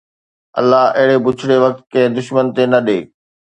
الله اهڙي بڇڙي وقت ڪنهن دشمن تي نه ڏي